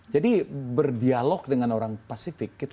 jadi berdialog dengan orang pasifik